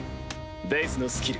ベイスのスキル